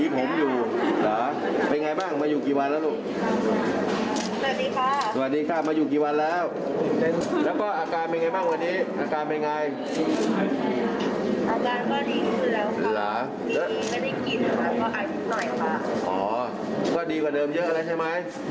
ก็ดีกว่าเดิมเยอะแหละใช่ไหม